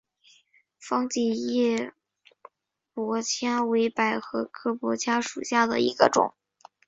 防己叶菝葜为百合科菝葜属下的一个种。